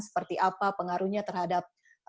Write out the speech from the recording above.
seperti apa pengaruhnya terhadap